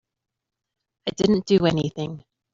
I didn't do anything.